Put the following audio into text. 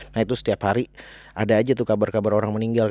nah itu setiap hari ada aja tuh kabar kabar orang meninggal